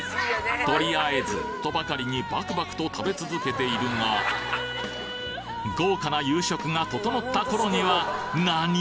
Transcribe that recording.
とりあえずとばかりにバクバクと食べ続けているが豪華な夕食が整った頃にはなに！